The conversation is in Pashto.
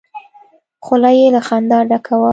خوله يې له خندا ډکه وه.